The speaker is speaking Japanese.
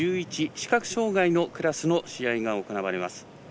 視覚障がいのクラスの試合が行われます。